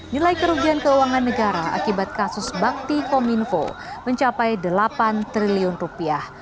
nilai kerugian keuangan negara akibat kasus bakti kominfo mencapai delapan triliun rupiah